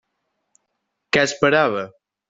Què esperava?